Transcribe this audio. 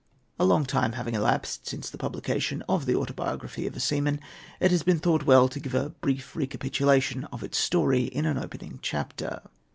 A long time having elapsed since the publication of the "Autobiography of a Seaman," it has been thought well to give a brief recapitulation of its story in an opening chapter.